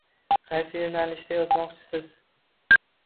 Qaysi yo’nalishda yozmoqchisiz